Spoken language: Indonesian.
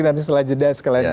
nanti setelah jeda sekalian